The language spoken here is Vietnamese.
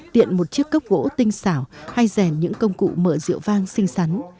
tiện một chiếc cốc gỗ tinh xảo hay rèn những công cụ mở rượu vang xinh xắn